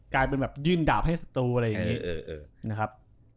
กลายเป็นแบบยื่นดาบให้สตูอะไรอย่างนี้นะครับ